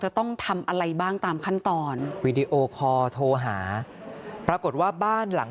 จะต้องทำอะไรบ้างตามขั้นตอนวีดีโอคอร์โทรหาปรากฏว่าบ้านหลัง